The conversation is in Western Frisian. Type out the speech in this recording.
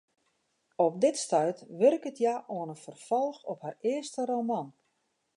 Op dit stuit wurket hja oan in ferfolch op har earste roman.